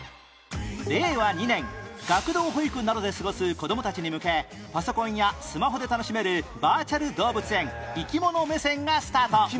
令和２年学童保育などで育つ子どもたちに向けパソコンやスマホで楽しめるバーチャル動物園「いきもの目線」がスタート